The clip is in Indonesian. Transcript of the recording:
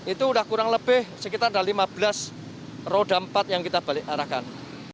itu sudah kurang lebih sekitar ada lima belas roda empat yang kita balik arahkan